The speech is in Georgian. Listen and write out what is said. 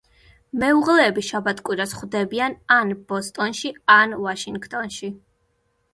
მეუღლეები შაბათ-კვირას ხვდებიან ან ბოსტონში, ან ვაშინგტონში.